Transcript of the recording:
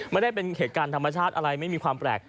ไม่ได้เป็นเหตุการณ์ธรรมชาติอะไรไม่มีความแปลก